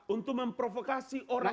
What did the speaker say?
untuk memprovokasi orang